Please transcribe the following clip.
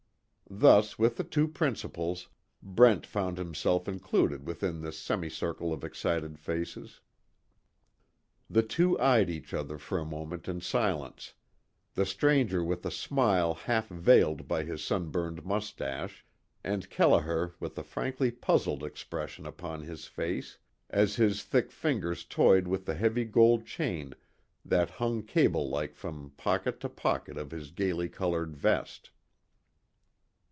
Thus with the two principals, Brent found himself included within this semicircle of excited faces. The two eyed each other for a moment in silence, the stranger with a smile half veiled by his sun burned mustache, and Kelliher with a frankly puzzled expression upon his face as his thick fingers toyed with the heavy gold chain that hung cable like from pocket to pocket of his gaily colored vest.